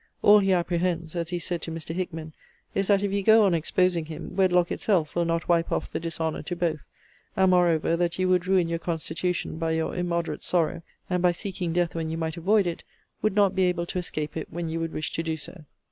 All he apprehends, as he said to Mr. Hickman, is that if you go on exposing him, wedlock itself will not wipe off the dishonour to both: and moreover, 'that you would ruin your constitution by your immoderate sorrow; and, by seeking death when you might avoid it, would not be able to escape it when you would wish to do so.'